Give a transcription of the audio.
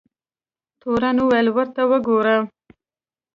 تورن وویل ورته وګوره.